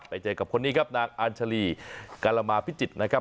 ไปเจอกับคนนี้ครับนางอัญชาลีกรมาพิจิตรนะครับ